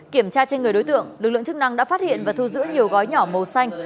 kiểm tra trên người đối tượng lực lượng chức năng đã phát hiện và thu giữ nhiều gói nhỏ màu xanh